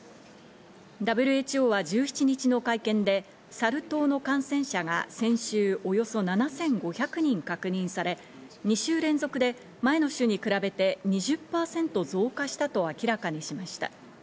ＷＨＯは１７日の会見でサル痘の感染者が先週、およそ７５００人確認され、２週連続で前の週に比べて２０％増加したと明らかにしました。